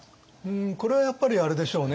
これはやっぱりあれでしょうね